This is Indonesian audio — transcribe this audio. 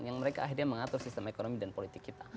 yang mereka akhirnya mengatur sistem ekonomi dan politik kita